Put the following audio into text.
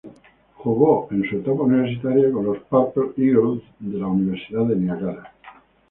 Jugó en su etapa universitaria con los "Purple Eagles" de la Universidad de Niágara.